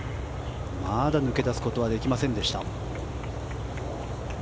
まだ抜け出すことはできませんでした。